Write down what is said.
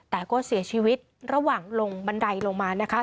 แต่ก็เสียชีวิตระหว่างลงบันไดลงมานะคะ